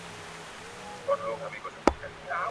زده کوونکي د انټرنېټ له لارې نوې موضوعګانې زده کوي ژر.